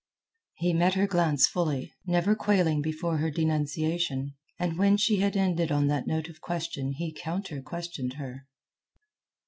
He met her glance fully, never quailing before her denunciation, and when she had ended on that note of question he counter questioned her.